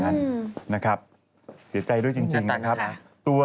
ทะนั้นใช่ไหมครับ